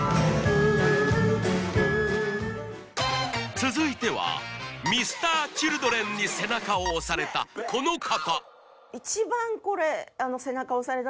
続いてはＭｒ．Ｃｈｉｌｄｒｅｎに背中を押されたこの方